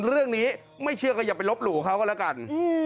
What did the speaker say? เรื่องนี้ไม่เชื่อก็อย่าไปลบหลู่เขาก็แล้วกัน